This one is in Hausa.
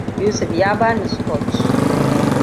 Yusuf ya bani scotch.